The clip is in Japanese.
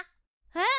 うん。